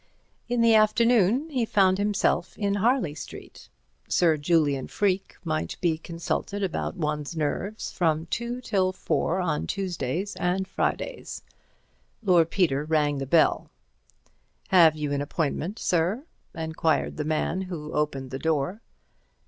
In the afternoon he found himself in Harley Street. Sir Julian Freke might be consulted about one's nerves from two till four on Tuesdays and Fridays. Lord Peter rang the bell. "Have you an appointment, sir?" enquired the man who opened the door.